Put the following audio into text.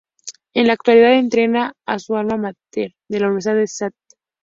En la actualidad entrena a su alma máter, la Universidad de St.